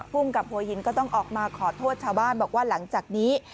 ภูมิกับหัวหินก็ต้องออกมาขอโทษชาวบ้านบอกว่าหลังจากนี้